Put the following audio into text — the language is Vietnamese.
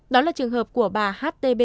đó là trường hợp của bà htb